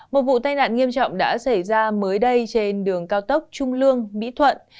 một vụ tai nạn nghiêm trọng đã xảy ra mới đây trên đường cao tốc trung lương mỹ thuận